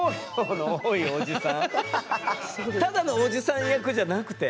ただのおじさん役じゃなくて？